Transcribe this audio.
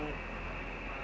ayo kita menuju belawan